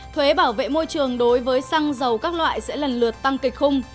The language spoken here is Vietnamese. thuế bảo vệ môi trường đối với xăng dầu các loại sẽ lần lượt tăng kịch khung